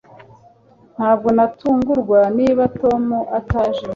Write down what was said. Ntabwo natungurwa niba Tom ataje